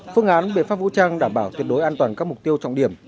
phương án biện pháp vũ trang đảm bảo tuyệt đối an toàn các mục tiêu trọng điểm